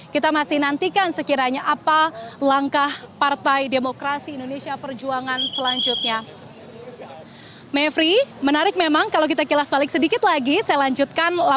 kita masih nantikan sekiranya apa langkah partai demokrasi indonesia ini akan berjalan jalan